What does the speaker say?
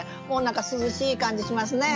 涼しい感じしますね。